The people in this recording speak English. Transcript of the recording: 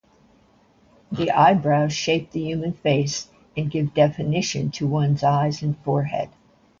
The eyebrows shape the human face and give definition to one's eyes and forehead.